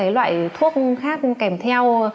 các loại thuốc khác kèm theo